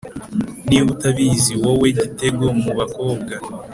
Niba utabizi, wowe gitego mu bakobwa,